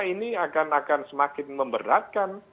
ini akan semakin memberatkan